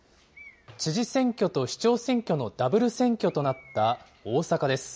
知事選挙と市長選挙のダブル選挙となった大阪です。